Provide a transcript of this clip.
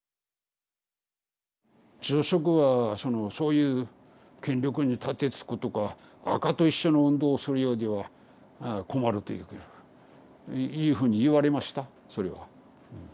住職はそのそういう権力に盾つくとかアカと一緒の運動をするようでは困るといういうふうに言われましたそれは。